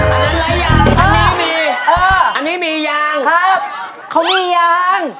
อันนั้นไร้ยางอันนี้มีเอออันนี้มียางครับเขามียาง